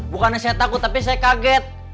bukannya saya takut tapi saya kaget